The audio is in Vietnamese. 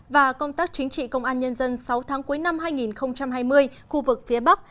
và công tác chính trị công an nhân dân sáu tháng cuối năm hai nghìn hai mươi khu vực phía bắc